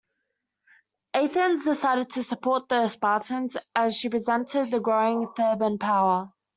Athens decided to support the Spartans, as she resented the growing Theban power.